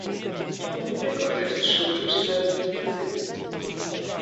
Miało to i tę korzyść, że uczył się zarazem ich języków.